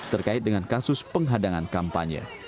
terkait dengan kasus penghadangan kampanye